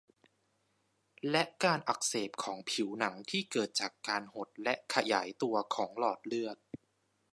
และการอักเสบของผิวหนังที่เกิดจากการหดและขยายตัวของหลอดเลือด